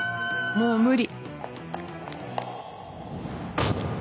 もう無理